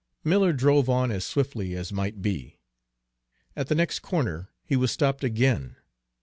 Miller drove on as swiftly as might be. At the next corner he was stopped again.